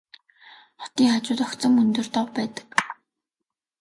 Хотын хажууд огцом өндөр дов байдаг.